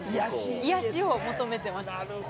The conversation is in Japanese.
癒やしを求めてます。